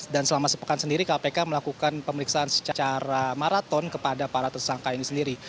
dan selama sepekan sendiri kpk melakukan pemeriksaan secara maraton kepada para tersangka ini sendiri